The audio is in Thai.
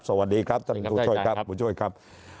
สวัสดีครับท่านผู้ช่วยครับ